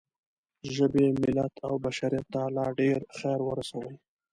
ژبې، ملت او بشریت ته لا ډېر خیر ورسوئ.